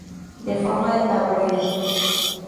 De formato de tabloide.